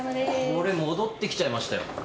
これ戻って来ちゃいましたよ。